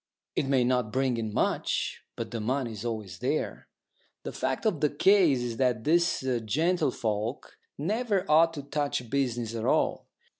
It may not bring in much, but the money is always there. The fact of the case is that these gentlefolk never ought to touch business at all.